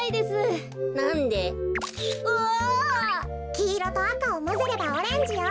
きいろとあかをまぜればオレンジよ。